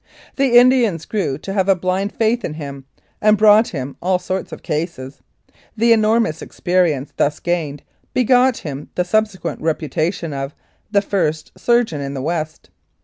The Indians grew to have a blind faith in him, and brought him all sorts of cases. The enormous experience thus gained begot him the sub sequent reputation of "the first surgeon in the West."